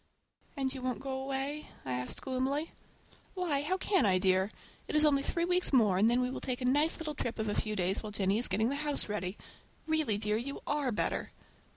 "And you won't go away?" I asked gloomily. "Why, how can I, dear? It is only three weeks more and then we will take a nice little trip of a few days while Jennie is getting the house ready. Really, dear, you are better!"